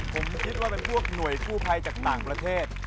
ผมคิดว่าเป็นพวกหน่วยกู้ภัยจากต่างประเทศ